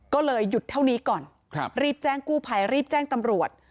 ก็เลยหยุดเท่านี้ก่อนรีบแจ้งกู้ภัยรีบแจ้งตำรวจ